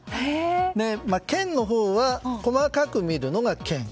見のほうが細かく見るのが見。